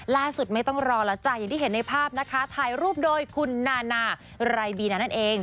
ไม่ต้องรอแล้วจ้ะอย่างที่เห็นในภาพนะคะถ่ายรูปโดยคุณนานาไรบีนานั่นเอง